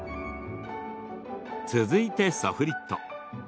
続いてソフリット。